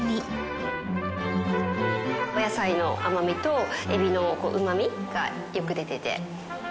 お野菜の甘みとえびのうまみがよく出てて。